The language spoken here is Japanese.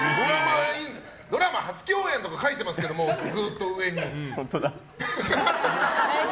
ドラマ初共演！とか書いてますけど本当だ。